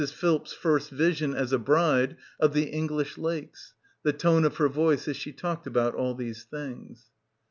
Philps' first vision, as a bride, of the English Lakes, the tone of her voice as she talked about all these things.